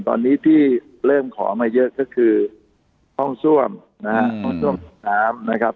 ตอนนี้ที่เริ่มขอมาเยอะก็คือห้องซ่วมนะฮะห้องซ่วมน้ำนะครับ